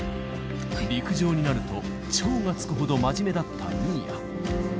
陸上になると、超がつくほど真面目だった新谷。